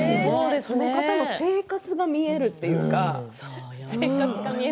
その方の生活が見えるというか。